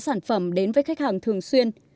sản phẩm đến với khách hàng thường xuyên